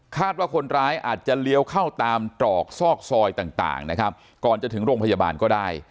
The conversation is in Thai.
ว่าคนร้ายอาจจะเลี้ยวเข้าตามตรอกซอกซอยต่างนะครับก่อนจะถึงโรงพยาบาลก็ได้